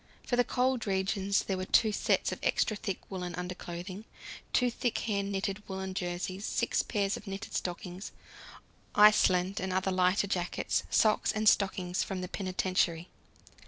For the cold regions there were two sets of extra thick woollen underclothing, two thick hand knitted woollen jerseys, six pairs of knitted stockings, Iceland and other lighter jackets, socks and stockings from the penitentiary.